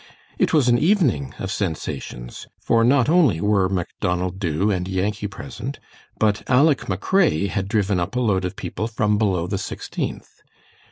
It was an evening of sensations, for not only were Macdonald Dubh and Yankee present, but Aleck McRae had driven up a load of people from below the Sixteenth.